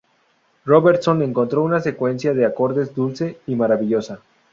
Robertson encontró una secuencia de acordes dulce y maravillosa.